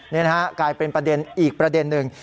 นี่นะฮะกลายเป็นประเด็นอีกประเด็นหนึ่ง